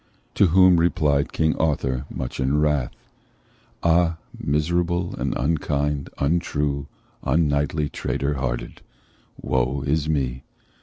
To whom replied King Arthur, much in wrath: "Ah, miserable and unkind, untrue, Unknightly, traitor hearted! Woe is me!